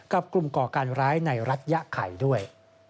กลุ่มก่อการร้ายในรัฐยะไข่ด้วย